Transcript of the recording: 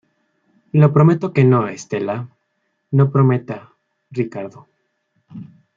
le prometo que no, Estela. no prometa, Ricardo.